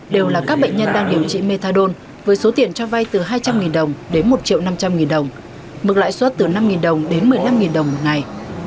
đều là các bệnh nhân đang điều trị methadone với số tiền cho vai từ hai trăm linh đồng đến một triệu năm trăm linh nghìn đồng mức lãi suất từ năm đồng đến một mươi năm đồng một ngày